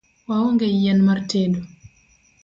Waonge yien mar tedo